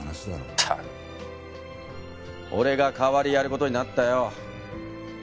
「ったく」俺が代わりやる事になったよ。